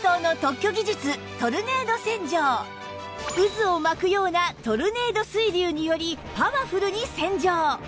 渦を巻くようなトルネード水流によりパワフルに洗浄